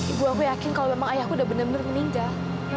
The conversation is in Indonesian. ibu aku yakin kalau memang ayahku udah benar benar meninggal